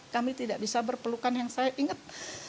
kami tidak bisa berpelukan yang saya ingat